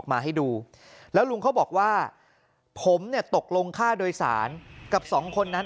มาให้ดูแล้วลุงเขาบอกว่าผมเนี่ยตกลงค่าโดยสารกับสองคนนั้น